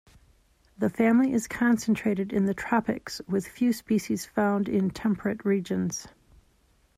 The family is concentrated in the tropics, with few species found in temperate regions.